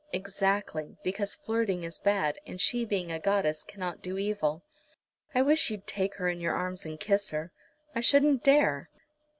"Exactly; because flirting is bad, and she being a goddess cannot do evil. I wish you'd take her in your arms and kiss her." "I shouldn't dare."